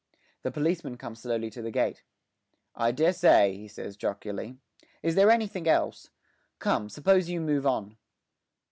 The policeman comes slowly in to the gate. 'I dessay,' he says jocularly. 'Is there anythink else? Come, suppose you move on.'